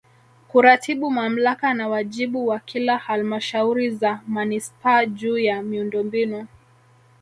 Kuratibu Mamlaka na wajibu wa kila Halmashauri za Manispaa juu ya miundombinu